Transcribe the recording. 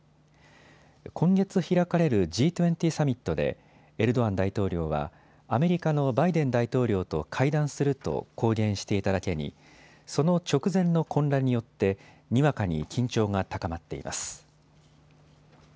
今月開かれるＧ２０サミットでエルドアン大統領はアメリカのバイデン大統領と会談すると公言していただけにその直前の混乱によってにわかに緊張が高まっています。